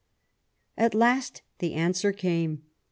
At last the answer came.